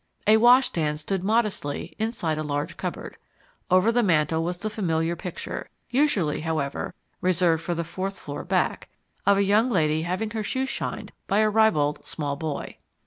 A wash stand stood modestly inside a large cupboard. Over the mantel was the familiar picture usually, however, reserved for the fourth floor back of a young lady having her shoes shined by a ribald small boy.